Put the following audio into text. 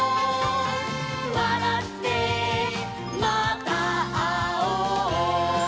「わらってまたあおう」